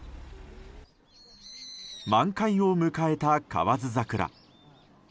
満開を迎えた河津桜。